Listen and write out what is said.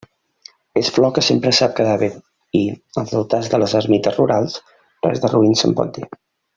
És flor que sempre sap quedar bé i, als altars de les ermites rurals res de roín se'n pot dir.